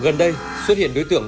gần đây xuất hiện đối tượng